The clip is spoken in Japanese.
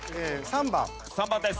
３番です。